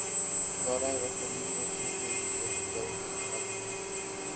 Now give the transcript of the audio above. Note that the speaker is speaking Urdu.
دورہ ویسٹ انڈیز میں کلین سویپ کی کوشش کرینگے ثناء میر